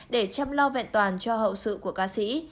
để chăm lo vẹn toàn cho hậu sự của ca sĩ